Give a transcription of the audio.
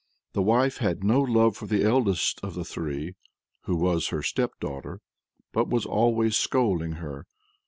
The wife had no love for the eldest of the three, who was her stepdaughter, but was always scolding her.